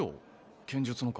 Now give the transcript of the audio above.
剣術のか？